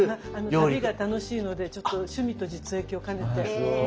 旅が楽しいのでちょっと趣味と実益を兼ねて。